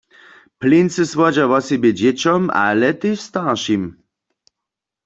Plincy słodźa wosebje dźěćom, ale tež staršim.